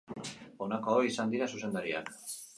Honako hauek izan dira zuzendariak.